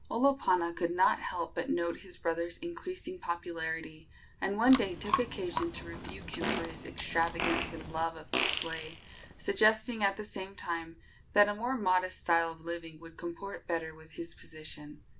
Olopana could not help but note his brother's increasing popularity, and one day took occasion to rebuke him for his extravagance and love of display, suggesting, at the same time, that a more modest style of living would comport better with his position.